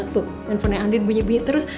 tuh handphonenya andin bunyi bunyi terus